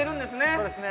そうですね。